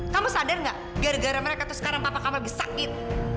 kamu sadar gak gara gara mereka tuh sekarang papa lagi sakit